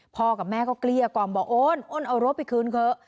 กับแม่ก็เกลี้ยกล่อมบอกโอนโอนเอารถไปคืนเถอะ